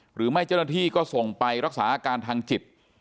หรือไม่เจ้าหน้าที่ก็ส่งไปรักษาอาการทางจิต